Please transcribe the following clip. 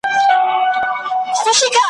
د ویرجینیا پسرلی او منی دواړه ښکلي دي `